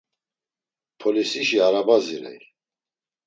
Polisişi araba zirey.